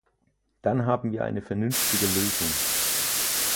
Dann haben wir eine vernünftige Lösung.